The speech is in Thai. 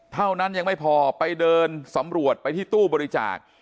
เท่านั้นยังไม่พอไปเดินสำรวจไปที่ตู้บริจาค